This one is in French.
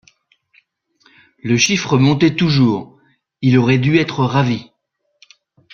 Le chiffre montait toujours, il aurait dû être ravi.